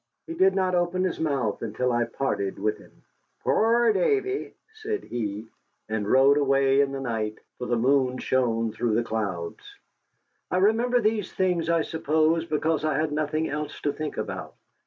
He did not open his mouth until I parted with him. "Puir Davy," said he, and rode away in the night, for the moon shone through the clouds. I remember these things, I suppose, because I had nothing else to think about.